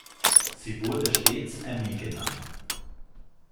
Sie wurde stets Emmi genannt.